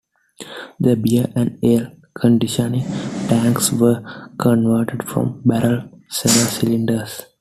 The beer and ale conditioning tanks were converted from barrel cellar cylinders.